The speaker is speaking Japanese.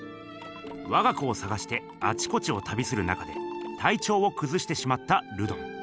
わが子を探してあちこちをたびする中でたいちょうをくずしてしまったルドン。